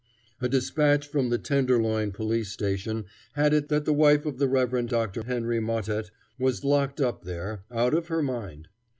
A despatch from the Tenderloin police station had it that the wife of the Rev. Dr. Henry Mottet was locked up there, out of her mind.